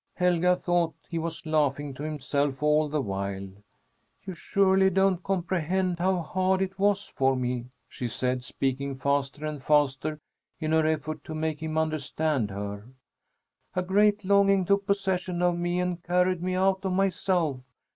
Helga thought that he was laughing to himself all the while. "You surely don't comprehend how hard it was for me!" she said, speaking faster and faster in her effort to make him understand her. "A great longing took possession of me and carried me out of myself.